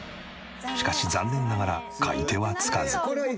しかし残念ながら買い手はつかず。